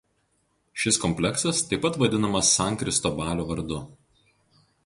Šis kompleksas taip pat vadinamas San Kristobalio vardu.